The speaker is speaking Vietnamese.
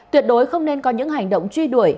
tuyệt đối không nên có những hành động truy đuổi